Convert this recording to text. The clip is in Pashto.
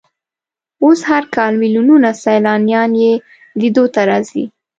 اوس هر کال ملیونونه سیلانیان یې لیدو ته راځي.